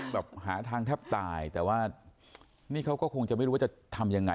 แบบหาทางแทบตายแต่ว่านี่เขาก็คงจะไม่รู้ว่าจะทำยังไง